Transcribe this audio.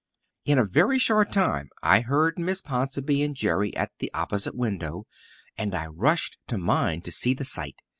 In a very short time I heard Miss Ponsonby and Jerry at the opposite window, and I rushed to mine to see the sight.